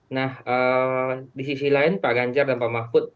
nah di sisi lain pak ganjar dan pak mahfud